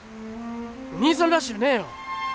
兄さんらしゅうねえよ。